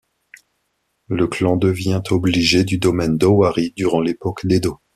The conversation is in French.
Le clan devient obligé du domaine d'Owari durant l'époque d'Edo.